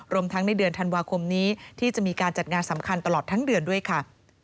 รวมทั้งในเดือนธันวาคมนี้ที่จะมีการจัดงานสำคัญตลอดทั้งเดือนด้วยค่ะ